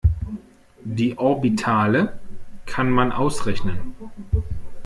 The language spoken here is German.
Die Orbitale kann man ausrechnen.